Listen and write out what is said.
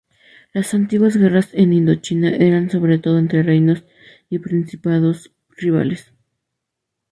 Las antiguas guerras en Indochina eran sobre todo entre reinos y principados rivales.